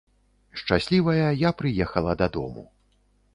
Шчаслівая, я прыехала дадому.